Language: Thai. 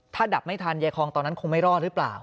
ถ้าดับไม่ทันยายคองตอนนั้นคงไม่รอดหรือเปล่า